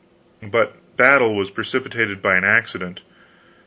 But battle was precipitated by an accident.